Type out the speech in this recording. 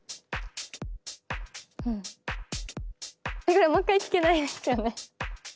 これもう一回聞けないですよね？